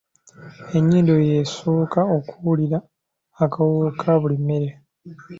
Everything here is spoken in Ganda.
Ennyindo y'esooka okuwulira akawoowo ka buli mmere.